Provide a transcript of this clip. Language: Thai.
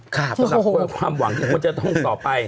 สำหรับความหวังที่ควรจะต้องต่อไป